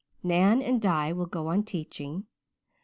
Nan and Di will go on teaching.